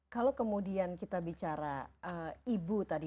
kalau kemudian kita bicara ibu tadi